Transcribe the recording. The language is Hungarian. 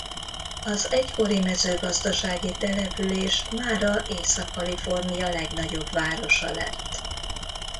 Az egykori mezőgazdasági település mára Észak-Kalifornia legnagyobb városa lett.